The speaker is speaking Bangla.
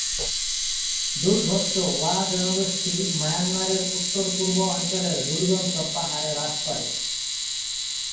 দুর্ধর্ষ ওয়া জনগোষ্ঠী মায়ানমারের উত্তর-পূর্ব অঞ্চলের দুর্গম সব পাহাড়ে বাস করে।